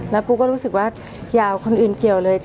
แล้วปูก็รู้สึกว่าอย่าเอาคนอื่นเกี่ยวเลย